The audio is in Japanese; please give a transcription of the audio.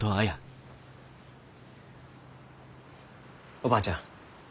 おばあちゃん